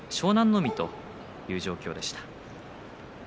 海という状況でした。